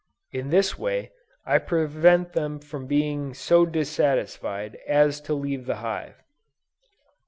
In this way, I prevent them from being so dissatisfied as to leave the hive.